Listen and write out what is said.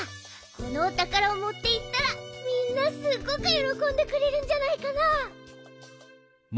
このおたからをもっていったらみんなすっごくよろこんでくれるんじゃないかな。